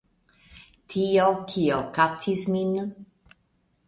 Tio, kio kaptis min .